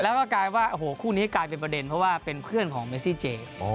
แล้วก็กลายว่าโอ้โหคู่นี้กลายเป็นประเด็นเพราะว่าเป็นเพื่อนของเมซี่เจ